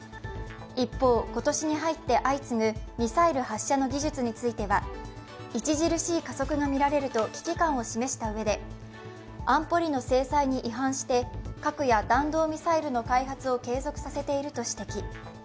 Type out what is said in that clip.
一方、今年に入って相次ぐミサイル発射の技術については著しい加速がみられると危機感を示したうえで安保理の制裁に違反して、核や弾道ミサイルの開発を継続させていると指摘。